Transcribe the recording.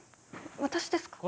私ですか？